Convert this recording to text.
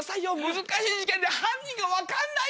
難しい事件で犯人が分かんないんですよ。